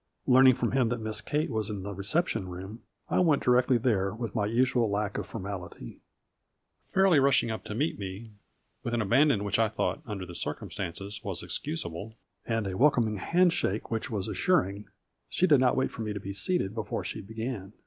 Learning from him that Miss Kate was in the reception room, I went directly there with my usual lack of formality. Fairly rushing up to meet me, with an abandon which I thought, under the circumstances, was excusable, and a welcoming hand shake which was assuring, she did not wait for me to be seated before she began.